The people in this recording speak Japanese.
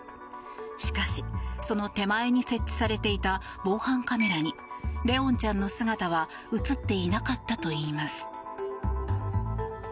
しかし、その手前に設置されていた防犯カメラに怜音ちゃんの姿は映っていなかったといいます。